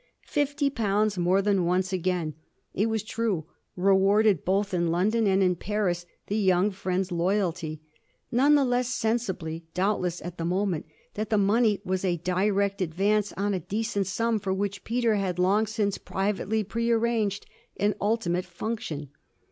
Fifty pounds more than once again, it was true, rewarded both in London and in Paris the young friend's loyalty; none the less sensibly, doubtless, at the moment, that the money was a direct advance on a decent sum for which Peter had long since privately prearranged an ultimate function.